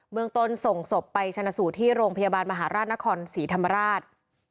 เมืองต้นส่งศพไปชนะสูตรที่โรงพยาบาลมหาราชนครศรีธรรมราช